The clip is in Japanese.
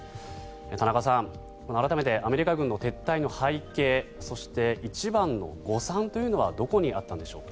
田中さん、改めてアメリカ軍の撤退の背景そして一番の誤算というのはどこにあったんでしょうか。